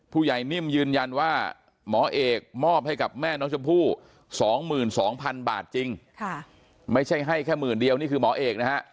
นิ่มยืนยันว่าหมอเอกมอบให้กับแม่น้องชมพู่๒๒๐๐๐บาทจริงไม่ใช่ให้แค่หมื่นเดียวนี่คือหมอเอกนะฮะ